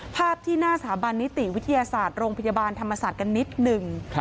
ภาพที่หน้าสถาบันนิติวิทยาศาสตร์โรงพยาบาลธรรมศาสตร์กันนิดหนึ่ง